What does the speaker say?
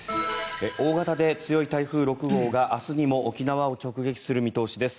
大型で強い台風６号が、明日にも沖縄を直撃する見通しです。